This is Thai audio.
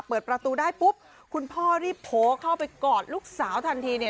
เปิดประตูได้ปุ๊บคุณพ่อรีบโผล่เข้าไปกอดลูกสาวทันทีเนี่ย